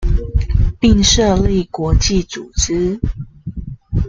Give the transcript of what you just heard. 並設立國際組織